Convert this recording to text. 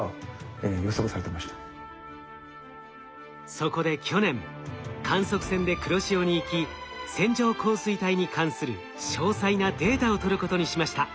そこで去年観測船で黒潮に行き線状降水帯に関する詳細なデータを取ることにしました。